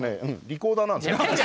リコーダーなんですよ。